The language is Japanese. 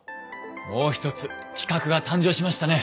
もう一つ企画が誕生しましたね！